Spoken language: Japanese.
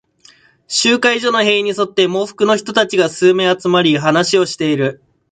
集会所の塀に沿って、喪服の人たちが数名集まり、話をしている。